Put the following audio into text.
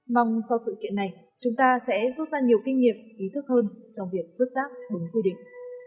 mong sau sự kiện này chúng ta sẽ rút ra nhiều kinh nghiệm ý thức hơn trong việc vứt rác đúng quy định